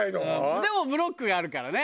でもブロックがあるからね。